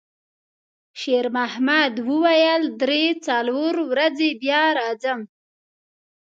شېرمحمد وویل: «درې، څلور ورځې بیا راځم.»